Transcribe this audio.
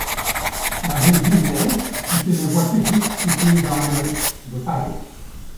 La rue d'Uzès est une voie publique située dans le de Paris.